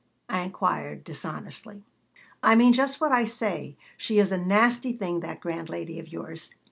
I inquired, dishonestly "I mean just what I say. She is a nasty thing, that grand lady of yours."